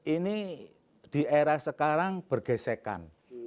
ini di era sekarang bergesekan